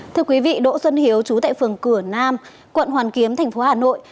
thưa quý vị đỗ xuân hiếu trú tại phường cửa nam quận hoàn kiếm tp hà nội